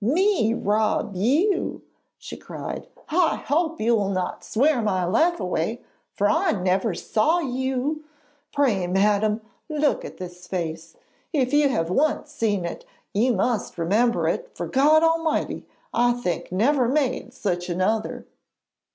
'Me rob you?' she cried. 'I hope you will not swear my life away, for I never saw you. Pray, madam, look at this face; if you have once seen it you must remember it, for God Almighty I think never made such another.'